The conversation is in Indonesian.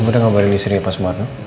lo sudah ngabarin disini ke pak sumarno